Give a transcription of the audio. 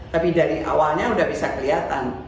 tapi dari awalnya sudah bisa kelihatan